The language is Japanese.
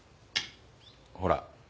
ほら。